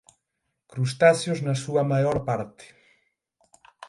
crustáceos na súa maior parte.